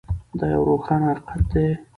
دا یو روښانه حقیقت دی.